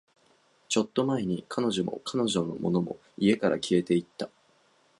ちょっと前に、彼女も、彼女のものも、家から消えていった